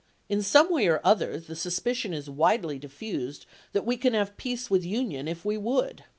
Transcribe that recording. In some way or other the suspicion is widely diffused that we can have peace with Union if we would.